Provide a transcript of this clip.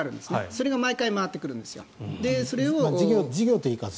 それが毎回、回ってくるんです。